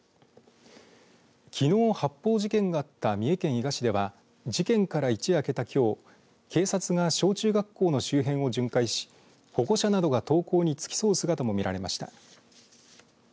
きのう発砲事件があった三重県伊賀市では事件から一夜明けたきょう警察が小中学校の周辺を巡回し保護者などが登校に付き添う姿も見られました。